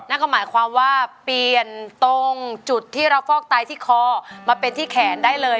นั่นก็หมายความว่าเปลี่ยนตรงจุดที่เราฟอกไตที่คอมาเป็นที่แขนได้เลย